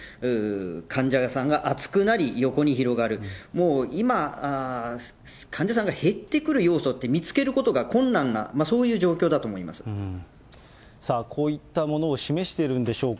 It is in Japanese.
患者さんがあつくなり、横に広がる、もう、今、患者さんが減ってくる要素って見つけることが困難な、そういう状こういったものを示しているんでしょうか。